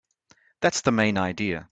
That's the main idea.